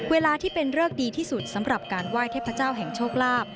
เวลาที่เป็นเริกดีที่สุดสำหรับการไหว้เทพเจ้าแห่งโชคลาภ